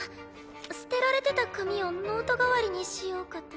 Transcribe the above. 捨てられてた紙をノート代わりにしようかと。